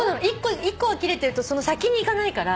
１個が切れてると先にいかないから。